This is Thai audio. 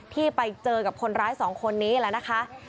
ที่ไปเจอกับคนร้ายสองคนนี้แล้วนะคะ